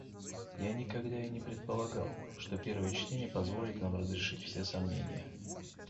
Я никогда и не предполагал, что первое чтение позволит нам разрешить все сомнения.